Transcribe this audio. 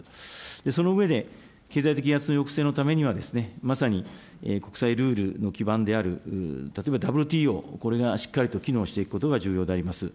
その上で、経済的威圧の抑制のためには、まさに国際ルールの基盤である例えばＷＴＯ、これがしっかりと機能していくことが重要であります。